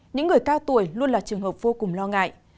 những người cao tuổi luôn là trường hợp vô cùng lo ngại